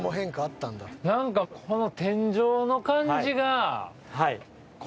何かこの。